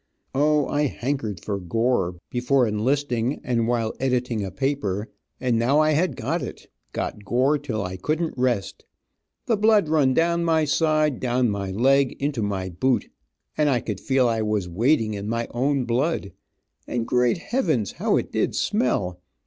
O, I hankered for gore, before enlisting, and while editing a paper, and now I had got it, got gore till I couldn't rest. The blood run down my side, down my leg, into my boot, and I could feel I was wading in my own blood. And great heaven's, how it did smell.